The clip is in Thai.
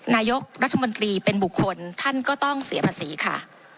นายกรัฐมนตรีเป็นบุคคลท่านก็ต้องเสียภาษีค่ะ